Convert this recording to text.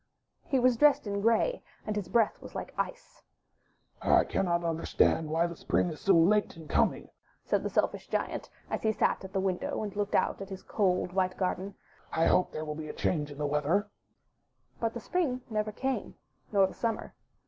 He was dressed in grey, and his breath was Hke ice. '1 cannot understand why the Spring is so late in coming/' said the Selfish Giant, as he sat at the window and looked out at his cold, white garden; '1 hope there will be a change in the weather/' But the Spring never came, nor the Summer.